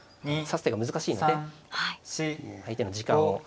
指す手が難しいので相手の時間を与えない。